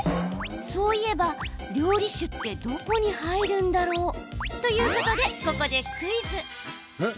そういえば料理酒ってどこに入るんだろう？ということで、ここでクイズ。